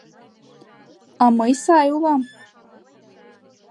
А мый сай улам.